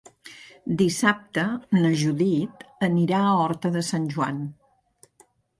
Dissabte na Judit anirà a Horta de Sant Joan.